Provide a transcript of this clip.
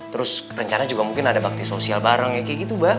terus rencana juga mungkin ada bakti sosial bareng ya kayak gitu mbak